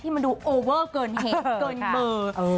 ที่มันดูโอเวอร์เกินเหตุเกินมือ